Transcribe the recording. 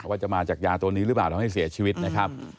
ว่าจะมาจากยาตัวนี้หรือเปล่าทำให้เสียชีวิตนะครับ